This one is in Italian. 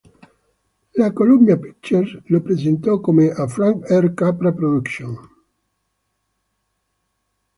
La Columbia Pictures lo presentò come "A Frank R. Capra Production".